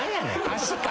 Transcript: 足か？